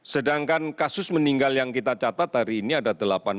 sedangkan kasus meninggal yang kita catat hari ini ada delapan puluh